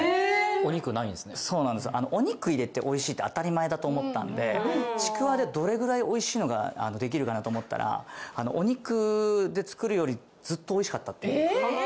お肉ないんですねそうなんですだと思ったんでちくわでどれぐらいおいしいのができるかなと思ったらお肉で作るよりずっとおいしかったっていうええ？